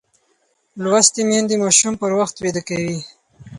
لوستې میندې ماشومان پر وخت ویده کوي.